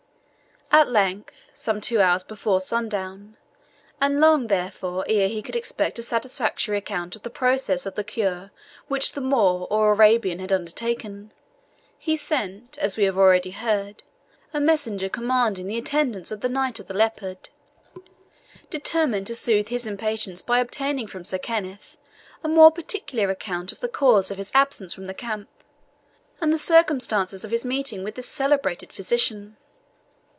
At length, some two hours before sundown, and long, therefore, ere he could expect a satisfactory account of the process of the cure which the Moor or Arabian had undertaken, he sent, as we have already heard, a messenger commanding the attendance of the Knight of the Leopard, determined to soothe his impatience by obtaining from Sir Kenneth a more particular account of the cause of his absence from the camp, and the circumstances of his meeting with this celebrated physician.